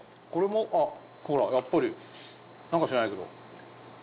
やっぱりなんか知らないけど。